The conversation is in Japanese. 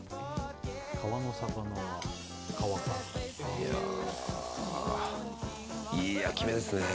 いやー、いい焼き目ですね。